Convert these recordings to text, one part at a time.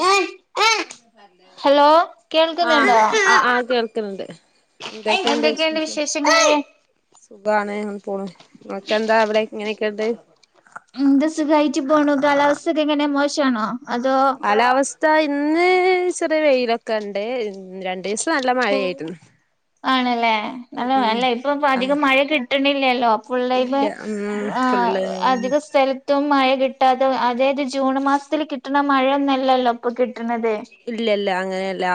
ഉ. കേൾക്കുന്നുണ്ടോ ആഹ് ആഹ് കേൾക്കുന്നുണ്ട് എന്തൊക്കെയണ്ട് എന്തൊക്കെയുണ്ട് വിശേഷം വിശേഷങ്ങള് സുഖമാണ്ങ്ങ പോണു നിങ്ങക്കെന്താ അവിടെ ഇങ്ങനെയൊക്കെ ഉണ്ട് എന്ത സുഖായിറ്റ് പോണു കാലാവസ് ഒക്കെ എങ്ങനെ മോശാണോ. അതോ കാലാവസ്ഥ ഇന്ന് ചെറിയ വെയിലൊക്കെ ഒണ്ട് രണ്ടിസം. നല്ല മഴയായിരുന്നു. ആണല്ലേ ഉം നല്ല ഉം നല്ല ഇപ്പൊ ഇപ്പ ആഹ് അധികം മഴ കിട്ടണില്ലല്ലോ. ഫുള്ളമ്മ് ഇല്ല ഉം ആഹ് ഫുള്ള് അധിക സ്ഥല എറ്റവും മഴ കിട്ടാതെ അതായത് ജൂൺ മാസത്തിൽ കിട്ടണ മഴയൊന്നല്ലല്ലോ ഇപ്പൊ കിട്ടണതെ ഇല്ല ഇല്ല അങ്ങനെഅല്ല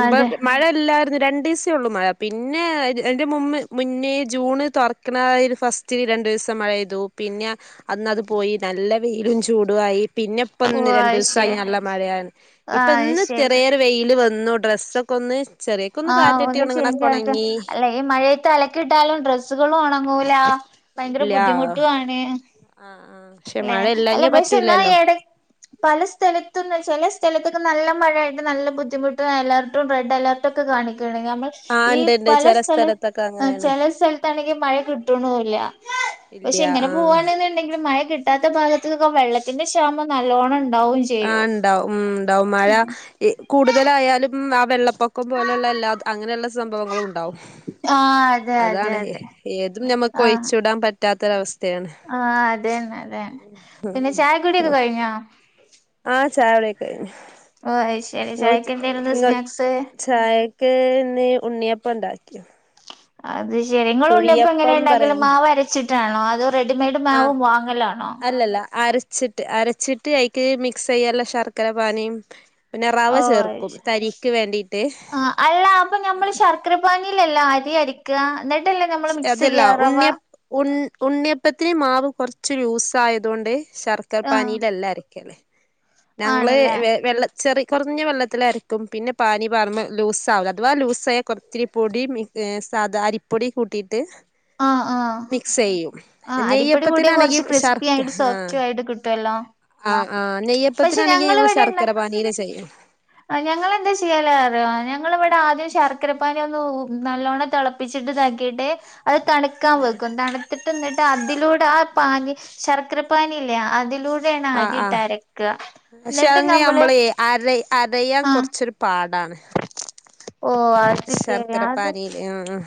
ഇപ്പ മഴല്ലാരുന്നു രണ്ടിസ്‌ ഉള്ളൂ മഴ പിന്നെ എൻ്റെ മുമേ മുന്നേ ജൂണ് തുറക്കണ ഒരു ഫസ്റ്റ് രണ്ടുസം മഴ പെയ്തു. പിന്നെ അന്ന അത് പോയി നല്ല വെയിലും ചൂടു ആയി. പിന്നെ ഓ ഇപ്പൊന്ന് അയ്ശരി രണ്ടുസായി നല്ല മഴയാണ് ഇപ്പൊ ആഹ് ഇന്ന് അയ്ശരി തെറിയർ വെയില് വന്നു ഡ്രസ്സ് ക്ക്‌ ഒന്ന് ചെറിയൊക്കൊന്ന് ആഹ് കാറ്റിട്ടി ഒന്ന് ഒണങ്ങണ ചേഞ്ച് ആക്ക ഒണങ്ങി അല്ല ഈ മഴയത്ത് അലക്കി ഇട്ടാലും ഡ്രസ്സുകളും ഒണങ്ങൂല ഭയങ്കര ഇല്ല ആഹ് ബുദ്ധിമുട്ടു ആണ് ആഹ് പക്ഷെ അല്ലേ മഴ അല്ല ഇല്ലാഞ്ഞ പക്ഷേന്ന പറ്റൂലല്ലോ എടെ പല സ്ഥലത്തുന്ന ചില സ്ഥലത്തൊക്കെ നല്ല മഴായിട്ട് നല്ല ബുദ്ധിമുട്ടും അലേർട്ടും റെഡ് അലേർ ട്ടോക്കെ കാണിക്കന്ന് നമ്മൾ ആഹ് ഈ ഉണ്ട് ഉണ്ട് പല ചില സ്ഥല സ്ഥലത്തൊക്കെ ആഹ് അങ്ങനെയാണ് ചില സ്ഥലത്താണെങ്കി മഴ കിട്ടണൂഇല്ല ഇല്ല പക്ഷെ ഇങ്ങനെ ആഹ് പോവാണെന്നുണ്ടെങ്കിൽ മഴ കിട്ടാത്ത ഭാഗത്തക്കൊ വെള്ളത്തിന്റെ ക്ഷാമം നല്ലോണ്ണം ഉണ്ടാവും ആഹ് ചെയ്യും ഒണ്ടാവും ഉം ഉണ്ടാവും മഴ ഇ കൂടുതലായാലും ആ വെള്ളപ്പൊക്കം പോലുള്ള എല്ലാത് അങ്ങനെയുള്ള സംഭവങ്ങളും ഉണ്ടാവും ആഹ് അതെ അതെ അതാണ്ഹേ അതെ ഏതും നമുക്ക് ആഹ് ഒഴിച്ചുവിടാൻ പ പറ്റാത്തൊരവസ്‌ ആഹ് അതെന്നെ അതെന്നെ പിന്നെ ചായ കുടി ഓക്കെ കഴിഞ്ഞോ ആഹ് ചായകുടിക്കെ കഴിഞ്ഞു ഓഹ് ആയ് ശരി ചായക്കെണ്ടായിരുന്ന് സ്നാക്സ് ചായക്ക്‌ ഇന്ന് ഉണ്ണിയപ്പം ഉണ്ടാക്കിയ അത് ശരി ഇങ്ങള് ഉണ്ണിയപ്പം എങ്ങനെ ഉണ്ടാക്കല് പറയും മാവ് അരച്ചിട്ടാണോ അതോ റെഡിമെയഡ് മാവ് ആഹ് വാങ്ങലാണോ അല്ലല്ല അര ച്ചിട്ട് അരച്ചിട്ട് അയിക്ക് മിക്സ് ചെയ്യല്ല ശർക്കര പാനീം പിന്നെ റവ ഓ ചേർക്കും തരിക്ക് വേണ്ടിട്ട് ചർക്കര പാനീലെല്ലാ അരി അരിക്ക എന്നിട്ടല്ലേ നമ്മള് മിക്സ് ചെയ്യാ റവാ ഉണ് ഉണ്ണിയപ്പത്തിന് മാവ് കുറച്ച് ലൂസ് ആയതുകൊണ്ട് ശർക്കര ആഹ് പാനീയിലല്ല അര ക്കല്ലേ ഞങ്ങളെ ആണല്ലേ വെ വെള്ള ചെറി കുറഞ്ഞ വെള്ളത്തിൽ അരക്കും പിന്നെ പാനി പറുമ്പോ ലൂസ ആവില്ല അഥവാ ലൂസായൽ കുറ ഇച്ചിരി പൊടി മി ഏഹ് സാധാ അരിപ്പൊടി കൂട്ടിട്ട് ആഹ് ആഹ് മിക്സ്യ്യും ആഹ് അരിപ്പൊടി കൂടിയാ നെയ്യപ്പത്തിനാണെങ്കി കുറച്ച് ക്രിസ്പി ശർക്ക് ആയിട്ട് ആഹ് സോഫ്റ്റും ആയിട്ട് കിട്ടുവല്ലോ ആഹ് ആഹ് പക്ഷെ നെയ്യപ്പത്തിനാണെങ്കി ഞങ്ങൾ ഞങ്ങളിവിടെ ഇണ്ട ശർക്കര പാനീയില് ചെയ്യും ആഹ് ഞങ്ങള് എന്താ ചെയ്യാല അറിയോ ഞങ്ങള് ഇവിടെ ആദ്യം ശർ ക്കരപ്പാനി ഒന്ന് നല്ലോണ്ണം തിളപ്പിച്ചിട്ട് താക്കിട്ട് അത് തണുക്കാൻ വെക്കും തണു ത്തിട്ട് എന്നിട്ട് അതിലൂടെ ആ പാനി ശർക്കര പാനി ഇല്ലേ അതിലൂടെയാണ് ആഹ് അരി ആഹ് പക്ഷേങ്ങനെ അമ്പളെ അരെ അരയാൻ ആഹ് കുറച്ചൊരു പാടാണ് ഓഹ് അ ശർക്കര പാനീയില് ആഹ് ആഹ്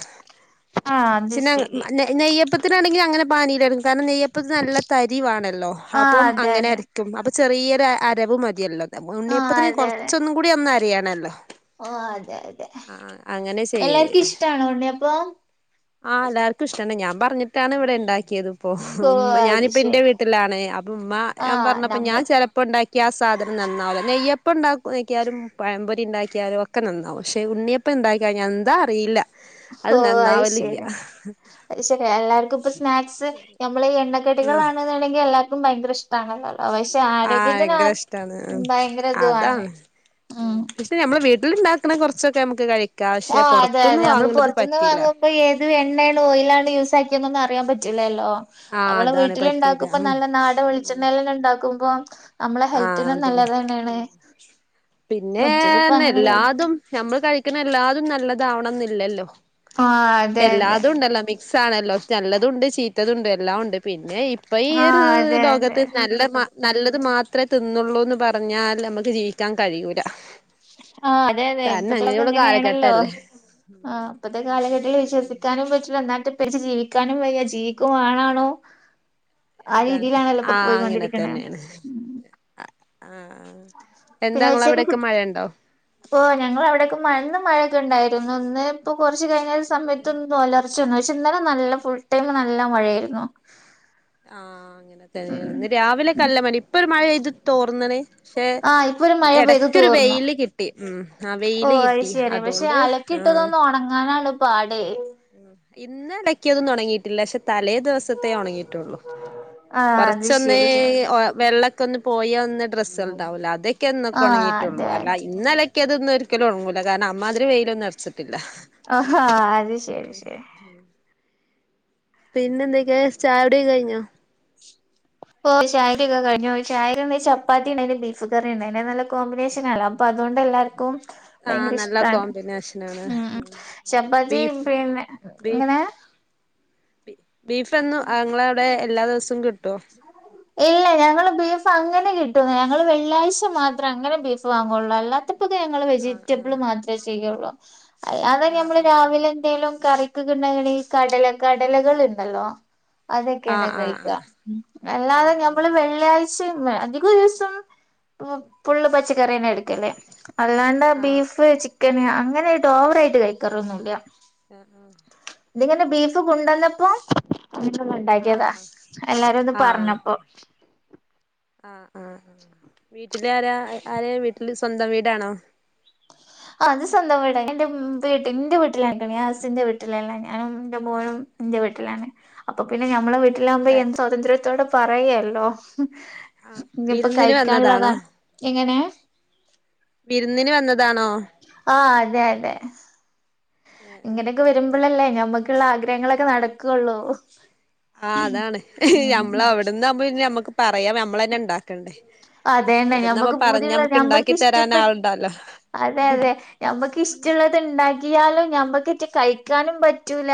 ആഹ് അത് ചിന്നങ്ങ് ഉം ശരി നെ നെയ്യപ്പത്തിനാണെങ്കിൽ അങ്ങനെ പാനീല് എടുക്കും കാരണം നെയ്യപ്പത്തിന് നല്ല തരിവാണല്ലോ ആഹ് അപ്പം അതെ അങ്ങനെ അതെ അര ക്കും അപ്പൊ ചെറിയൊര അരവ് മതിയല്ലോ ആഹ് ഉണ്ണിയപ്പത്തിന് അതെ അതെ കുറച്ചൊന്നും കൂടി ഒന്ന് അരയണല്ലോ ഓഹ് അതെ അതെ അങ്ങനെ ചെയ്യല് എല്ലാർക്കും ഇഷ്ടാണോ ഉണ്ണി അപ്പം? ആഹ് എല്ലർക്കും ഇഷ്ടാണ് ഞാൻ പറഞ്ഞിട്ടാണ് ഇവിടെ ഉണ്ടാക്കിയത്. ഉം ഓഹ് അത് ഞാനിപ്പ എന്റെ ശരി വീട്ടിലാണ് അപ്പ ഉമ്മ ഞാൻ ആഹ് പറഞ്ഞപ്പോ ഞാൻ നമ്മൾ ചിലപ്പോ ഇപ്പം ഉണ്ടാക്കിയ ആ സാധനം നന്നാവില്ല നെയ്യപ്പം ഉണ്ടാക്കിയാലും പഴം പൊരി ഉണ്ടാക്കിയാലും ഒക്കെ നന്നാവും പക്ഷേ ഉണ്ണിയപ്പം ഉണ്ടാക്കിക്കയിഞ്ഞ എന്താ അറിയില്ല അത് ഓഹ് നന്നാവലില്ല. ശരി പക്ഷെ എല്ലാർക്കും ഇപ്പൊ സ്നാക്സ് നമ്മ ഈ എണ്ണക്കടികൾ ആണുന്നണെങ്കിൽ എല്ലാവർക്കും ഭയങ്കര ഇഷ്ടാണല്ലേ. പക്ഷേ ആഹ് ആരോഗ്യത്തിന് ഭയങ്കര ഇഷ്ടാണ് ഭയങ്കര ഇതുാണ് ഉം. പിന്നെ നമ്മൾ വീട്ടിലുണ്ടാക്കണ കുറച്ചൊക്കെ നമുക്ക് കഴിക്കാം പക്ഷെ പുറത്തൊന്നും വാങ്ങന്നത് പറ്റില്ല. ഇപ്പൊ ഏത് എണ്ണയാണ് ഓയിലാണ് യൂസാക്കിയതൊന്നും അറിയാൻ പറ്റില്ലല്ലോ. ആഹ് നമ്മള അതാണ് വീട്ടില് പറ്റില്ല ഉണ്ടാക്കുമ്പ ഉം നല്ല നാടൻ വെളിച്ചെണ്ണയിൽന്നെ ഉണ്ടാക്കുമ്പോ നമ്മളെ ആഹ് ഹെൽത്തിനും നല്ലതന്നെണ്. പിന്നെ ന്ന് എല്ലാതും ഞമ്മൾ കഴിക്കുന്ന എല്ലാതും നല്ലതാവണം എന്നില്ലല്ലോ ആ അതെ അതെ എല്ലാതും ഉണ്ടല്ലോ മി ക്സ് ആണല്ലോ നല്ലതുണ്ട് ചീത്തതുണ്ട് എല്ലാം ഉണ്ട് പിന്നെ ഇപ്പൊ ഈ ആ ഒരു അതെ അതെ ലോകത്ത് നല്ല മാ നല്ലത് മാത്രമേ തിന്നള്ളൂന്ന് പറഞ്ഞാൽ നമുക്ക് ജീവിക്കാൻ കഴിയൂല. ആഹ് അതെ അതെ കാരണം ഇപ്പത്തോക്കെ അങ്ങനെയുള്ള എങ്ങനെണല്ലോ. കാലഘട്ടല്ലേ ആ ഇപ്പത്തെ കാലട്ടത്തിൽ വിശ്വസിക്കാനും പറ്റില്ല എന്നാപ്പറ്റേ ജീവിക്കാനും വയ്യ ജീവിക്കുവാണാണും. ആ അതാണ് രീതിയിലാണല്ലോ പ്പൊ ആഹ് അങ്ങനെ പോയികൊണ്ടിരിക്കണ. തന്നെയാണ് ആഹ് എന്താങ്ങള അവിടെക്കെ മഴ ഉണ്ടോ? ഓഹ് ഞങ്ങൾ അവിടെയൊക്കെ മഴ ന്ന് മഴയൊക്കെ ഉണ്ടായിരുന്നു ഒന്ന് ഇപ്പൊ കുറച്ച് കഴിഞ്ഞൽ സമയത്തൊന്നും ഒലർ ർച്ച ക്ഷേ ന്നലെ നല്ല ഫുൾ ടൈമ് നല്ല മഴയായിരുന്നു. ആഹ് ഉം അങ്ങനൊക്ക രാവിലെ കല്ല മഴ ഇപ്പൊ ഒരു മഴയെയ്തു തോർന്നണ്. പക്ഷെ ആഹ് ഇപ്പൊ ഒരു മഴ പെയ്തു ഇടക്കൊരു തോർന്നു വെയില് കിട്ടി ഉം ആ വെയില് കിട്ടി അതുകൊണ്ട് കിട്ടതൊന്ന് ഉണങ്ങാനാണ് പാട്. ഇന്ന ഇട [unintelligible] ന്നും ഉണങ്ങിയിട്ടില്ല പക്ഷെ തലേ ദിവസത്തേ ഉണങ്ങിട്ടുള്ളു. ആഹ്. അത് കുറച്ചൊന്ന് ശരി വെള്ളമൊക്കെ ഒന്ന് പോയാൽ ഒന്ന ഡ്രസ്സൾ ണ്ടാവല്ലോ അതൊക്കെ ഒക്ക ആഹ് ഉണങ്ങിട്ട്ണ്ട്. ള്ളൂ അതെ അതെ അല്ല ഇന്നലക്യാതൊന്നും ഒരിക്കലും ഉണങ്ങൂല കാരണം അമാതിരി വെയിലൊന്നും അറച്ചിട്ടില്ല. ആഹാ അത പിന്നെ എന്തൊക്കെയാ ചായൊടി ക്കെ കഴിഞ്ഞോ? ഓഹ് ചായയൊടിക്കെ കഴഞ്ഞു ചായക്ക് ന്താ ചപ്പാത്തി ഉണ്ടന്ന് ബീഫ് കറി ഉണ്ട് അത് നല്ല കോമ്പിനേഷനല്ലോ അപ്പൊ അതുകൊണ്ട് എല്ലാവർക്കും ആഹ് ഭയങ്കര നല്ല ഇഷ്ടാണ് കോമ്പിനേഷനാണ് ഉം ചപ്പാത്തി ബീഫ് പിന്നെ ഇങ്ങനെ ബീഫ്ന്നും ങ്ങള അവിടെ എല്ലാ ദിവസവും കിട്ടുവോ? ഇല്ല ഞങ്ങള് ബീഫ് അങ്ങനെ കിട്ടൂന്നുല്ല ഞങ്ങള് വെള്ളിയാഴ്ച മാത്രമേ അങ്ങനെ ബീഫ് വാങ്ങള്ളൂ അല്ലാത്ത ഞങ്ങൾ ആഹ് വെജിറ്റബിൾ മാത്രമേ ചെയ്യുള്ളൂ അല്ലാതെ ആഹ് നമ്മൾ രാവിലെ ആഹ് എന്തെിലും കറി [unintelligible] ണ്ടങ്ങണെ ഈ കടല കടലകൾ ഉണ്ടല്ലോ അതൊക്കെ ഏണ് കഴിക്കുക ആഹ് അല്ലാതെ ആഹ് നമ്മള് ആഹ് വെള്ളിയ അധിക ദിവസം ഫുള് പച്ചക്കറിന്നെ എടുക്കല് അല്ലാണ്ട് ആഹ് ആഹ് ബീഫ് ചിക്കന് അങ്ങനെ ഓവറെയിട്ട് കഴിക്കാറൊന്നുംല്ല. ആഹ്. ഇതിങ്ങനെ ബീഫ് കൊണ്ടന്നപ്പോ [unintelligible] ആഹ് ഉണ്ടാക്കിയതാ ആഹ് എല്ലാരും ഒന്ന് ആഹ് ആഹ് പറഞ്ഞപ്പോ. ആഹ് ആഹ് വീട്ടിലാരാ ആരാ വീട്ടില് സ്വന്തം വീടാണോ ആ അത് സ്വന്തം വീടാ എന്റെ വീട്ടി ഇന്റെ വീട്ടിലാ ഞാ ഹസിന്റെ വീട്ടിലല്ലേ ഞാനും എന്റെ മോനും ഇൻ്റെ വീട്ടിലാണ് അപ്പൊ പിന്നെ ഞമ്മളെ വീട്ടിലാമ്പോ എൻ സ്വാതന്ത്ര്യത്തോടെ പറയാലോ ആഹ് ഇനിപ്പോ വിരുന്നിന് കഴിക്കാനുള്ളതാ വന്നതാണോ എങ്ങനെ വിരുന്നിന് വന്നതാണോ ആഹ് അതെ അതെ ഇങ്ങനെയൊക്കെ വരുമ്പളല്ലേ ഞമ്മുക്കുള്ള ആഗ്രഹങ്ങളൊക്കെ നടക്കുള്ളൂ ആ അതാണ് ഉം ഞമ്മള അവിടന്നാമ്പോ ഈ ഞമ്മക്ക് പറയാം നമ്മളന്നെ ഇണ്ടാക്കണ്ടേ അതന്നെ ഇവിടന്ന് നമ്മ ഞമ്മക്ക് പറഞ്ഞാ പൂതിയുള്ള ഞമ്മക്ക് ഇണ്ടാക്കി തരാൻ ഇഷ്ടപ്പെട്ട ആളുണ്ടല്ലോ അതെ അതെ അമ്മക്ക് ഇഷ്ടള്ള ഇണ്ടാക്കിയാല് ഞമ്മക്ക് കഴിക്കാനും പറ്റുല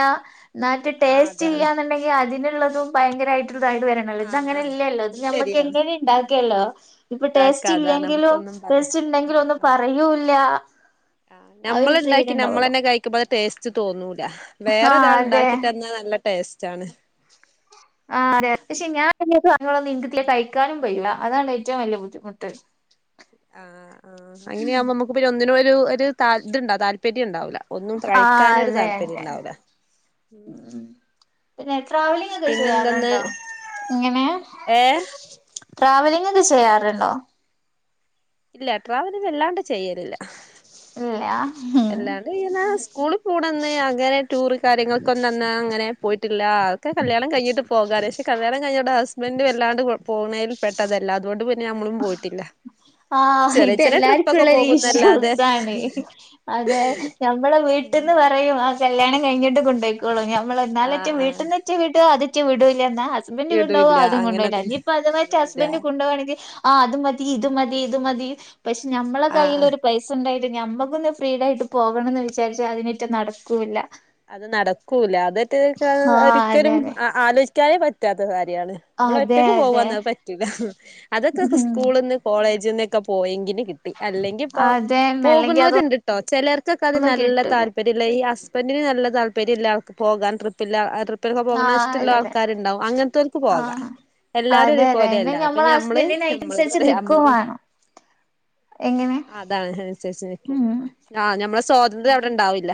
എന്നാട്ട് ആഹ് ടേസ്റ്റ് അതാണ് ഇല്ലാന്നുണ്ടെ അതിനുള്ളതും ഭയങ്കരേയിട്ട് ഇള്ളതായിട്ട് വരണല്ലോ ഇത് ആഹ് അങ്ങനെ ആഹ് ഇല്ലല്ലോ ഇത് അത് നമ്മക്ക് ശരിയാണ് എങ്ങനെ ഇണ്ടാക്കില്ലോ ഇപ്പൊ ഇണ്ടാക്ക ടേസ്റ്റ് അതാണ് ഇല്ലെങ്കിലും നമുക്കൊന്നും പറയാ ടേസ്റ്റ് ഇണ്ടെങ്കിലും ആഹ് ഒന്നും ആഹ് പറയൂല്ല ആഹ് ആ ഒരു ഫ്രീഡം ഞമ്മളിണ്ടാക്കി ഇണ്ടാവല്ലോ ഞമ്മളന്നെ കഴി അത് ടേസ്റ്റ് തോന്നൂല ആഹ് വേറൊരാൾ അതെ ഇണ്ടാക്കി തന്ന നല്ല ടേസ്റ്റാണ് ആ അതെ പക്ഷെ ഞാ [unintelligible] കഴിക്കാനും കയൂല്ല അതാണ് ഏറ്റവും വലിയ ബുദ്ധിമുട്ട് ആഹ് ആഹ് അങ്ങനെയാമ്പോ നമുക്ക് ഒന്നിനും ഒരു ഒരു ഇത്ണ്ടാ താല്പര്യം ഇണ്ടാവില്ല ഒന്നും ആഹ് കയ്ക്കാനൊരു അതെ താല്പര്യം അതെ ഇണ്ടാവൂല ഉം പിന്നെ ട്രാവലിംഗ് ഒക്കെ പിന്നെന്തന്ന് ചെയ്യാറുണ്ടോ ഇങ്ങനെ ഏഹ് ട്രാവലിംഗ് ഒക്കെ ചെയ്യാറുണ്ടോ ഇല്ല ട്രാവല് അല്ലാണ്ട് ചെയ്യലില്ല ഇല്ല മ് [unintelligible] സ്കൂളി പോണന്ന് അങ്ങനെ ടൂറ് കാര്യങ്ങൾക്കന്ന അന്ന് അങ്ങനെ പോയിട്ടില്ല ഒക്കെ കല്യാണം കഴിഞ്ഞിട്ട് പോകാ പക്ഷെ കല്യാണം കഴിഞ്ഞിട്ട് പോകാലെ പക്ഷെ ഹസ്ബൻ്റ് വല്ലാണ്ട് പോന്നേൽ പെട്ടതല്ല അതൊണ്ട് ഞമ്മളും പോയിട്ടില്ല ആഹ് ചെറിയ ചെറിയ ട്രിപ്പൊക്കെ ഇതെല്ലാർക്കുള്ളൊരു പോകുന്നല്ലാതെ ഇഷ്യൂസാണ് അതെ ഞമ്മള വീട്ട്ന്ന് പറയും ആ കല്യാണം കഴിഞ്ഞിട്ട് കൊണ്ടോയി ളു ഞമ്മള് ആഹ് എന്നാലെറ്റും ആഹ് വീട്ടിൽന്നെച്ചെ വിടോ അതെച്ച് വിടൂല്ല എന്നാ ഹസ്ബൻ്റ് കൊണ്ടോവോ ഇടൂല്ല അതും അങ്ങനെ കൊണ്ടോയില്ല ഇനി തന്നെ അപ്പ അത് മറ്റേ അതൊന്നുല്ല ഹസ്ബൻ്റ് കൊണ്ടു പോവാണെങ്കി ആ അത് മതി ഇത് മതി ഇത് മതി പക്ഷെ നമ്മളെ ആഹ് ആഹ് കയ്യിലൊരു പൈസുണ്ടായിട്ട് ഞമ്മക്കൊന്ന് ഫ്രീഡായിട്ട് പോകണംന്ന് വിചാരിച്ച അതിറ്റം നടക്കൂല അത് നടക്കൂല അതട്ട് ആഹ് അതെ ഒരിക്കലും അതെ ആലോചിക്കാനേ പറ്റാത്ത കാര്യാണ് നമ്മള് അതെ ഒറ്റക്ക് അതെ പോവാന്ന അത് പറ്റൂല്ല അതൊക്കെ ഉം സ്കൂളിന്ന് കോളേജിന്നൊക്കെ പോയെങ്കില് കി അല്ലെങ്കിപ്പ അതന്നെ അല്ലെങ്കി പോകുന്നോരുണ്ട്ട്ടോ ചിലർക്കൊക്കെ അത് അതൊന്നും നല്ല കിട്ടൂല താല്പര്യം ഇള്ള ഈ ഹസബ തിന് നല്ല താല്പര്യല്ല ആൾക്ക് പോകാൻ ട്രിപ്പില്ല ആ ട്രി പ്പൊക്കെ പോകണ ആഹ് ഇഷ്ടള്ള അതെ അതെ ആൾക്കാരുണ്ടാകും അങ്ങൻത്തർക്ക് പോകാം ആഹ് എല്ലാരും ഒരു അതെ അതെ പോലെ പിന്നെ അല്ല ഇപ്പൊ ഞമ്മളെ ഞമ്മള് ഹസ്ബൻഡിന് ഞമ്മളത് അയിനനുസരിച്ച് പറയാ നിക്കും നമ്മത് വേണം എങ്ങനെ അതാണ് അനുസരിച്ച് നിക്കും ഉം ആഹ് ഞമ്മള സ്വാതന്ത്ര്യം അവിടെ ഇണ്ടാവില്ല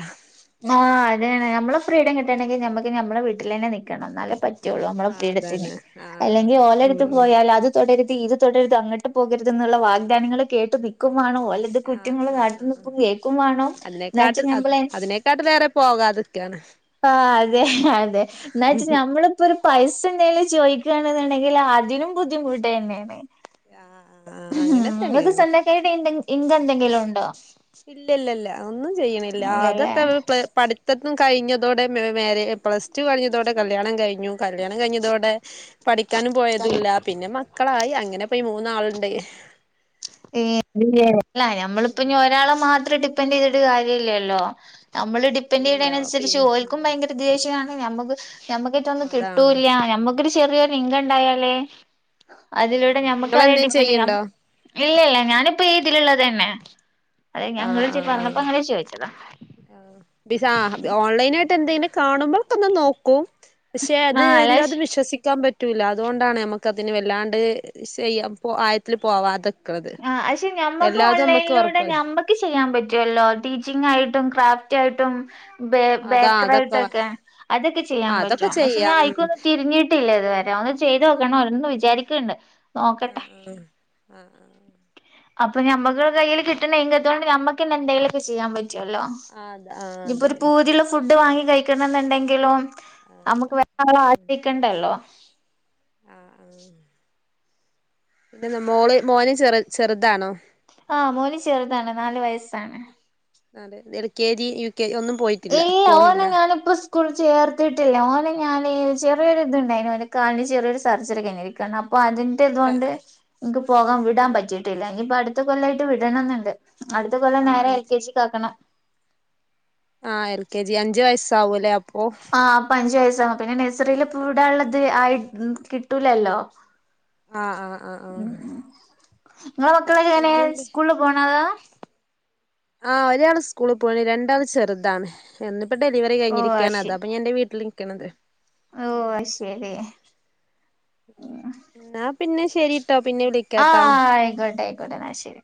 ആഹ് അതെ നമ്മള് ഫ്രീഡം കിട്ടണെങ്കി ഞമ്മക്ക് ഞമ്മളെ വീട്ടിലന്നെ നിക്കണം എന്നാലേ പറ്റ റ്റുള്ളൂ ഞമ്മള ആഹ് ഫ്രീഡത്തിന് അതാണ് ആഹ് ആഹ് അല്ലെങ്കി ഉം ഓലടുത്ത് ഉം പോയാൽ അത് തുടരുത് ഇത് തുടരുത് അങ്ങോട്ട് പോകരുതെന്നുള്ള വാഗ്ദാനങ്ങള് കേട്ടു നിൽക്കുവാണോം ഓല് ഇത് ആഹ് കുറ്റങ്ങള് ആഹ് [unintelligible] ആഹ് ആഹ് തുപ്പും കേൾക്കും വേണോം എന്നാച്ച് നമ്മളെ കേട്ട വേറെ പോകാ അതൊക്കെയാണ് ആഹ് അതെ അതെ എന്താ വച്ചാ നമ്മള് ഇപ്പൊ ഒരു പൈസ എന്തെലും ചോദിക്കുകയാെന്നാണങ്കിലും അതിനും ബുദ്ധിമുട്ട് തന്നെയാണ് ആഹ് ആഹ് അങ്ങനെ തന്നെയാണ് [unintelligible] ഈ എന്തെങ്കിലും ഉണ്ടോ ഇല്ലല്ലല്ല ഒന്നും ചെയ്യണില്ല ഇല്ലല്ലേ അതൊക്കെ പ ത്തും കഴിഞ്ഞതോടെ മരെ പ്ലസ് ടു കഴിഞ്ഞതോടെ കല്യാണം കഴിഞ്ഞു കല്യാണം കഴിഞ്ഞതോടെ പഠിക്കാനും പോയതുല്ല പിന്നെ മക്കളായി അങ്ങനെ ഇപ്പൊ ഈ മൂന്നാളുണ്ട് ഏഹ് അല്ല ഞമ്മളിപ്പ ഇ ഒരാളെ മാത്രം ഡിപ്പെൻഡ് ചെയ്തിട്ട് കാര്യ ഇല്ലല്ലോ നമ്മള് ഡിപ്പെൻഡറ് ഇല്ലല്ല ചെയ്യതിനനുസരിച്ച് പിന്നെ ഓൽക്കും ഉം ഭയങ്കര ദേഷ്യമാണ് നമുക്ക് നമ്മക് ഏറ്റെന്നും അതാണ് കിട്ടൂല്ല ഉം ഞമ്മക്കൊരു ചെറിയ ഇൻകം ഉണ്ടായാലേ അതിലൂടെ ആഹ് ഞമ്മക്ക് ആരെയും നിങ്ങളെന്തേലും ഡിപ്പൻണ്ട് ചെയ്യാം ചെയ്യണ്ടോ ഇല്ല ഇല്ല ഞാനിപ്പോ ഈ ഇതിലുള്ളത് തന്നെ അതെ ആഹ് ഞങ്ങള് ഇങ്ങള് ആഹ് പറഞ്ഞപ്പോ അങ്ങനെ ചോദിച്ചതാ ആഹ് ഓൺലൈനായിട്ട് എന്തെലും കാണുമ്പോൾഒക്കന്ന് നോക്കും പക്ഷെ അത് ആഹ് അല്ല ശ് എല്ലാതും വിശ്വസിക്കാൻ പറ്റു റ്റൂല്ല അതുകൊണ്ടാണ് നമുക്ക് അതിന് വല്ലാണ്ട് ചെയ്യാം ആയിട്ട് പോവാം അത് ആ പക്ഷെ ഞമ്മക്ക് ഓൺലൈനിലൂടെ ഉറപ്പ ഞമ്മക്ക് ചെയ്യാൻ പറ്റല്ലോ ടീച്ചിങ് ആയിട്ടും ക്രാഫ്റ്റ് ആയിട്ടും ബേ അതാ ബേക്കറ ആയിട്ടും അതൊക്കെ ഒക്കെ അതൊക്കെ ചെയ്യാൻ അതൊക്കെ പറ്റും. പക്ഷെ ഞാൻ ചെയ്യാം ഉം അതിക്കൊന്ന് തിരിഞ്ട്ട ട്ടില്ല ഇത് വരെ ഒന്ന് ചെയ്ത് നോക്കണം ഒന്ന് വിചാരിക്ണ്ട് ആഹ് ആഹ് ആഹ ആഹ് അപ്പൊ നമ്മക്ക് കയ്യിൽ കിട്ടണ ഇൻകംത്തോണ്ട് നമ്മുക്ക്ന്നെ എന്തെലുംലോകെ ചെയാൻ പറ്റും റ്റല്ലോ ആഹ് ആഹ് അത ആഹ് ഇനിയിപ്പോ ഒരു അതന്നെ പൂതിയുള്ള ഫുഡ് വാങ്ങി കഴിക്കണ എന്നുണ്ടെങ്കിലും നമുക്ക് വേറആളെ ആശ്രയിക്കണ്ടല്ലോ ആഹ് ആഹ് പിന്നെന്ത മോള് മോന് ചെറ് ചെറുതാണോ ആഹ് മോന് ചെറുതാണ് നാല് വയസ്സാണ് അതെ L K G, U K G ഒന്നും പോയിട്ടില്ല ഏയ് ഓനെ പോണില്ല ഞാനിപ്പം സ് സ്കൂള് ചേർത്തിട്ടില്ല ഓനെ ഞാൻ ചെറിയൊരിതുണ്ടായിനി. ഓന് കാലിന് ചെറിയൊരു സർജറി കഴിഞ്ഞിരിക്കാണ് അപ്പം അതിന് ൻ്റെ ഇതോണ്ട് ഇൻക്ക് പോവാൻ വിടാൻ ആഹ് പറ്റിട്ടില്ല ഇഞ്ഞ് ഇപ്പൊ അടുത്ത കൊല്ലായിട്ട് ട്ട് വിടണന്നുണ്ട് അടുത്ത കൊല്ലം ആഹ് നേരെ എൽ അഞ്ച് കെ ജി ക്കാക്കണം ആഹ് എൽ കെ ജി അഞ്ച് വയസാവുംലെ അപ്പൊ അപ്പം അഞ്ച് വയസ്സാവും പിന്നെ നഴ്സറീല് വിടാള്ളത് ആയി കിട്ടൂലല്ലോ ആഹ് ആഹ് ആഹ് ആഹ് ഇങ്ങളെ മക്കളെക്കെ എങ്ങനെയ പിന്നെന്ത് സ്കൂളില് പോണത ആഹ് ഒരാള് സ്കൂള് പോണ്. രണ്ടാള് ചെറുതാണ് ഒന്നിപ്പം ഡെലിവറി ഓ അത് കഴിഞ്ഞിരിക്കാണ് ശരി അതാപ്പം ഞൻന്റെ വീട്ടിൽ നിക്കണത് ഓ അത്ശരി ഇന്നാ പിന്നെ ശരിട്ടോ പിന്നെ വിളി ആഹ് ആയിക്കോട്ടെ ആയിക്കോട്ടെ എന്നാ ശരി